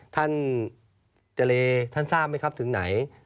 ท่านเจรท่านทราบไหมครับถึงไหน